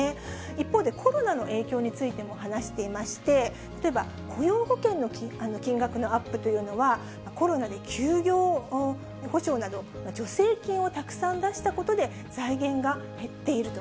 一方で、コロナの影響についても話していまして、例えば、雇用保険の金額のアップというのは、コロナで休業補償など、助成金をたくさん出したことで、財源が減っていると。